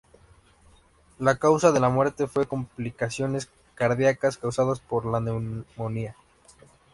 La causa de la muerte fue complicaciones cardíacas causadas por la neumonía.